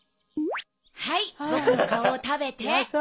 はい僕の顔を食べて。